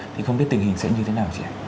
thì không biết tình hình sẽ như thế nào chị ạ